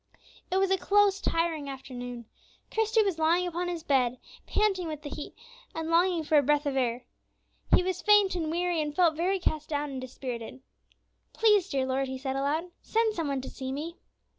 It was a close, tiring afternoon. Christie was lying upon his bed, panting with the heat, and longing for a breath of air. He was faint and weary, and felt very cast down and dispirited. "Please, dear Lord," he said aloud, "send some one to see me."